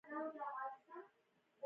بيا کۀ پرې هغه ټسټونه کوي